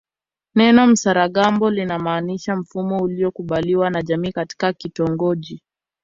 Neno msaragambo linamaanisha mfumo uliokubaliwa na jamii katika kitongoji